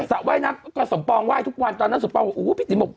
สระว่ายน้ำก็สมปองไห้ทุกวันตอนนั้นสมปองบอกอู๋พี่ติ๋มบอก